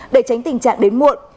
để tránh tình trạng đến muộn